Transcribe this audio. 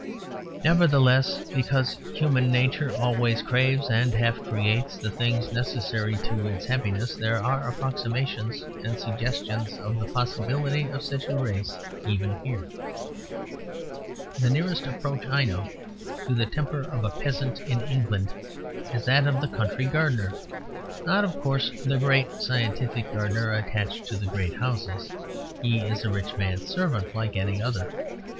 Nevertheless, because human nature always craves and half creates the things necessary to its happiness, there are approximations and suggestions of the possibility of such a race even here. The nearest approach I know to the temper of a Peasant in England is that of the country gardener; not, of course, the great scientific gardener attached to the great houses; he is a rich man's servant like any other.